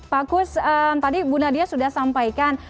pak kus tadi bu nadia sudah sampaikan